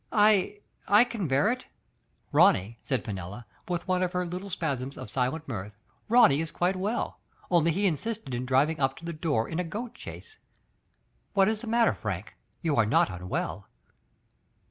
I — I can bear it !" "Ronny," said Fenella, with one of her little spasms of silent mirth, "konny is quite well; only he insisted in driving up to the door in a goat chaise. What is the matter, Frank — you are not unwell?"